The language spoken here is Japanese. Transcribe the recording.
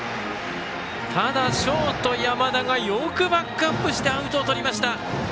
ただ、ショート、山田がよくバックアップしてアウトをとりました。